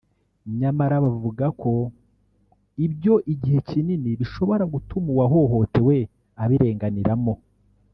nyamara bavugako ibyo igihe kinini bishobora gutuma uwahohotewe abirenganiramo